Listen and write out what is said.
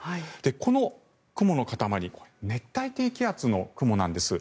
この雲の塊熱帯低気圧の雲なんです。